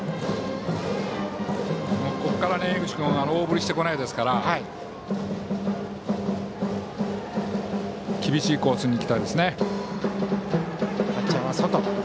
ここから、江口君大振りしてこないですから厳しいコースに行きたいです。